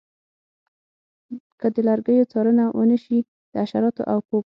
که د لرګیو څارنه ونشي د حشراتو او پوپ